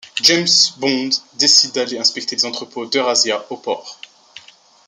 James Bond décide d'aller inspecter les entrepôts d'EurAsia au port.